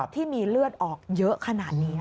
ที่มีเลือดออกเยอะขนาดนี้